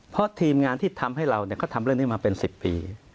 เพราะทีมงานที่ทำให้เราเขาทำเรื่องนี้มาเป็น๑๐ปี